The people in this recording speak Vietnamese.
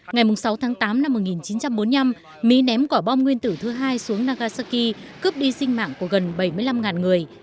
ngày sáu tháng tám năm một nghìn chín trăm bốn mươi năm mỹ ném quả bom nguyên tử thứ hai xuống nagasaki cướp đi sinh mạng của gần bảy mươi năm người